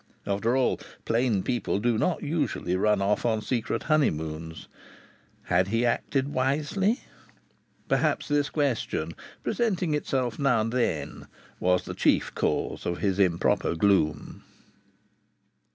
After all, plain people do not usually run off on secret honeymoons. Had he acted wisely? Perhaps this question, presenting itself now and then, was the chief cause of his improper gloom.